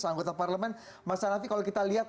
anggota parlemen mas hanafi kalau kita lihat